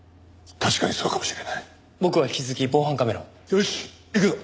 よし行くぞ！